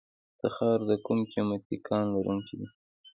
تخار د کوم قیمتي کان لرونکی دی؟